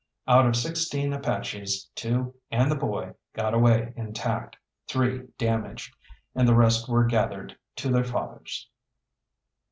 Out of sixteen Apaches two and the boy got away intact, three damaged, and the rest were gathered to their fathers.